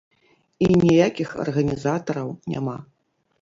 І ніякіх арганізатараў няма.